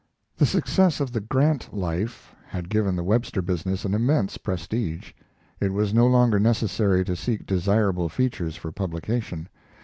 The success of the Grant Life had given the Webster business an immense prestige. It was no longer necessary to seek desirable features for publication.